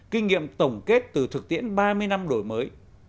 kinh nghiệm tổng kết từ thực tiễn ba mươi năm đổi mới